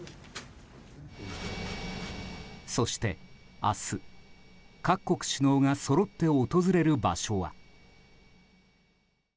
そして明日、各国首脳がそろって訪れる場所は。